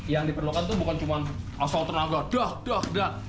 yang diperlukan itu bukan cuma asal tenaga dah dah dah